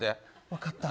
分かった。